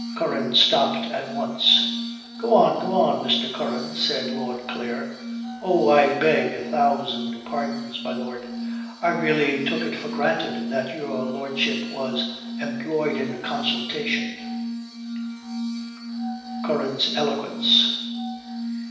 Curran stopped at once. "Go on, go on, Mr. Curran," said Lord Clare. "Oh! I beg a thousand pardons, my Lord; I really took it for granted that your Lordship was employed in consultation." CURRAN'S ELOQUENCE.